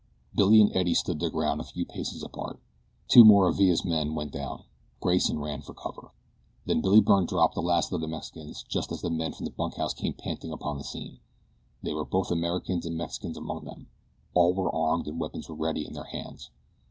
Billy and Eddie stood their ground, a few paces apart. Two more of Villa's men went down. Grayson ran for cover. Then Billy Byrne dropped the last of the Mexicans just as the men from the bunkhouse came panting upon the scene. There were both Americans and Mexicans among them. All were armed and weapons were ready in their hands.